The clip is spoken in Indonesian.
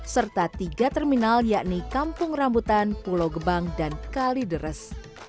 serta tiga terminal yakni kampung rambutan pulau gebang dan kalideres